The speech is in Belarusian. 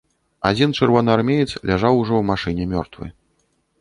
Адзін чырвонаармеец ляжаў ужо ў машыне мёртвы.